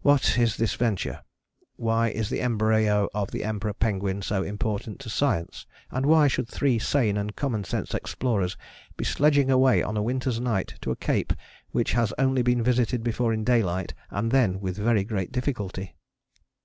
What is this venture? Why is the embryo of the Emperor penguin so important to Science? And why should three sane and common sense explorers be sledging away on a winter's night to a Cape which has only been visited before in daylight, and then with very great difficulty?